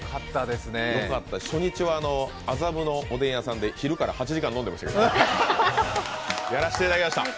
初日は麻布のおでん屋さんで昼から８時間飲んでました。